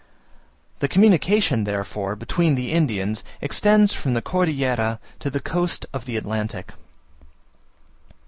The communication, therefore, between the Indians, extends from the Cordillera to the coast of the Atlantic.